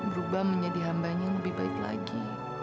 berubah menjadi hamban min yang lebih baik lagi